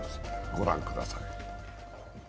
ご覧ください。